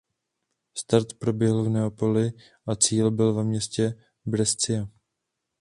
Start proběhl v Neapoli a cíl byl ve městě Brescia.